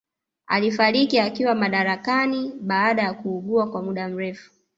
Alifariki akiwa madarakani baada ya kuugua kwa mda mrefu